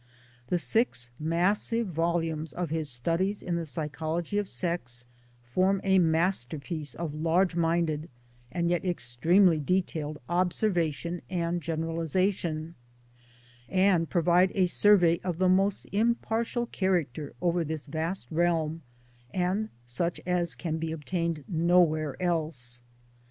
The six massive volumes of his Studies in the Psychology, of Sex form a masterpiece of large minded and yet extremely detailed observa tion and generalization, and provide a survey of the most impartial character over this vast realm, and such as can be obtained nowhere else.